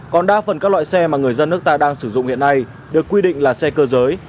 còn đa phần các loại xe mà người dân nước ta đang sử dụng hiện nay được quy định là xe cơ giới